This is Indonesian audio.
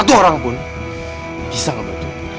cus banget kerjanya